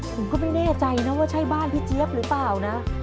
ผมก็ไม่แน่ใจนะว่าใช่บ้านพี่เจี๊ยบหรือเปล่านะ